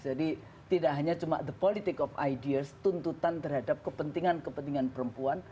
jadi tidak hanya cuma the politics of ideas tuntutan terhadap kepentingan kepentingan perempuan